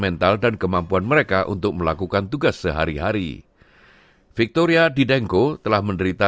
untuk solusi untuk mereka yang berfungsi untuk mereka